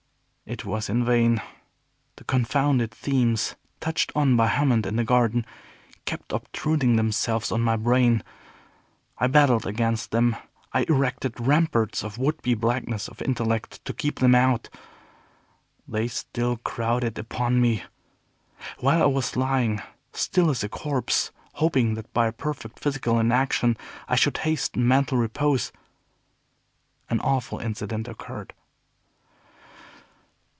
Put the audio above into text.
It was in vain. The confounded themes touched on by Hammond in the garden kept obtruding themselves on my brain. I battled against them. I erected ramparts of would be blackness of intellect to keep them out. They still crowded upon me. While I was lying still as a corpse, hoping that by a perfect physical inaction I should hasten mental repose, an awful incident occurred.